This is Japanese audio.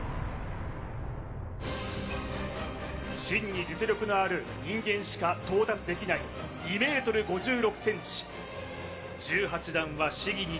真に実力のある人間しか到達できない２ｍ５６ｃｍ１８段は試技